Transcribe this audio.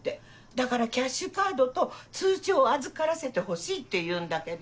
だからキャッシュカードと通帳を預からせてほしいって言うんだけど。